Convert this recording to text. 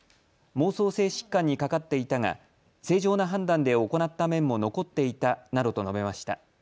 妄想性疾患にかかっていたが正常な判断で行った面も残っていたなどと述べました。